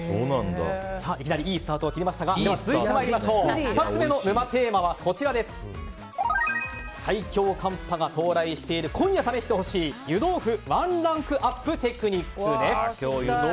いきなりいいスタートを切りましたが２つ目の沼テーマは最強寒波が到来している今夜試してほしい湯豆腐ワンランクアップテクニック。